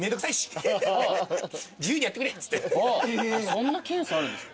そんなケースあるんですか。